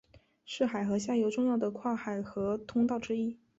是海河下游重要的跨海河通道之一。